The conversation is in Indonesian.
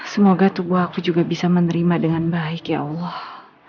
semoga tubuh aku juga bisa menerima dengan baik ya allah